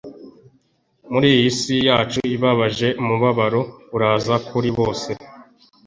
Muri iyi si yacu ibabaje umubabaro uraza kuri bose